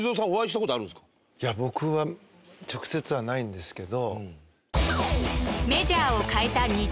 いや僕は直接はないんですけど。